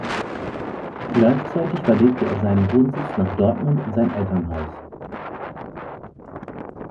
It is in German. Gleichzeitig verlegte er seinen Wohnsitz nach Dortmund in sein Elternhaus.